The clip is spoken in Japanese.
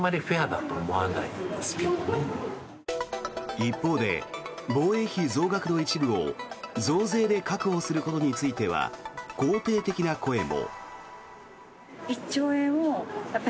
一方で、防衛費増額の一部を増税で確保することについては肯定的な声も。